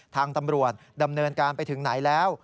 ทางตำรวจดำเนินการไปถึงไหนแล้ว